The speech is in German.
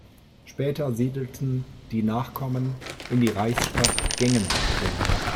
Später siedelten die Nachkommen in die Reichsstadt Gengenbach um.